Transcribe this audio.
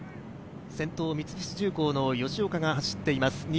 先頭を三菱重工の吉岡が走っています。